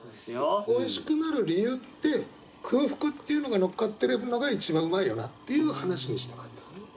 おいしくなる理由って空腹っていうのが乗っかってるのが一番うまいよなっていう話にしたかったのね。